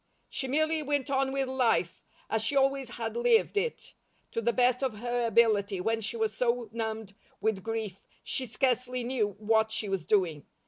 She merely went on with life, as she always had lived it, to the best of her ability when she was so numbed with grief she scarcely knew what she was doing.